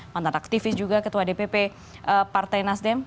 mantan aktivis juga ketua dpp partai nasdem